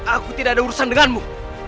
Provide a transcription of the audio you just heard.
aku tidak ada urusan denganmu